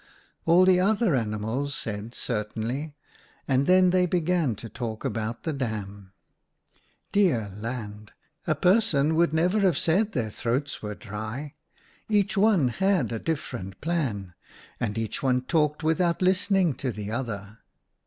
"All the other animals said 'Certainly,' and then they began to talk about the dam. Dear land ! A person would never have said their throats were dry. Each one had a different plan, and each one talked without listening to the other.